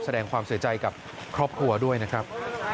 แสดงความเสียใจกับครอบครัวด้วยนะครับ